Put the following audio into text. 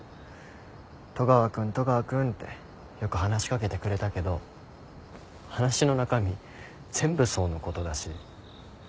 戸川君戸川君ってよく話し掛けてくれたけど話の中身全部想のことだし。